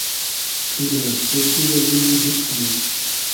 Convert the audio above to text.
تو رۂ از خو چیز اللی ما دور کئنوم